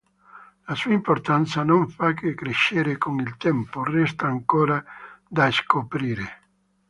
La sua importanza non fa che crescere con il tempo: resta ancora da scoprire.